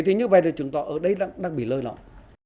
thế như vậy là chứng tỏ ở đây đang bị lơi lõi